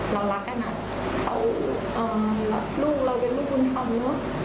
เรารักกันอะเขารักลูกเราเป็นลูกบุญธรรมเนอะ